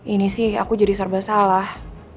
ini sih aku jadi serba salah